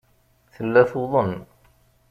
Tella tuḍen.